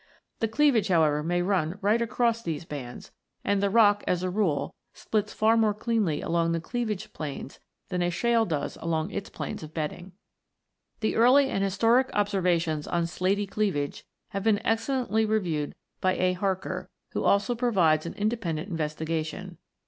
The cleavage, however, may run right across these bands, and the rock, as a rule, splits far more cleanly along the cleavage planes than a shale does along its planes of bedding. The early and historic observations on slaty cleav age have been excellently reviewed by A. Harker(47), who also provides an independent investigation.